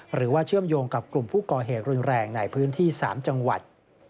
เชื่อมโยงกับกลุ่มผู้ก่อเหตุรุนแรงในพื้นที่๓จังหวัด